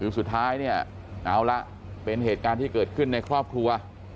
สุดท้ายเนี่ยเอาละเป็นเหตุการณ์ที่เกิดขึ้นในครอบครัว